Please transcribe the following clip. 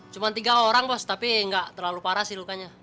cuma tiga orang bos tapi nggak terlalu parah sih lukanya